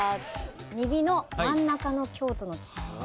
右の真ん中の「京都の地名」